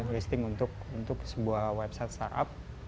listing untuk sebuah website startup